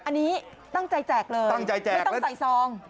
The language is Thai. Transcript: อันนี้ตั้งใจแจกเลยตั้งใจแจกไม่ต้องใส่ซอง